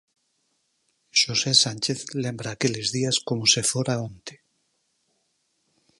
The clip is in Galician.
Xosé Sánchez lembra aqueles días coma se fora onte.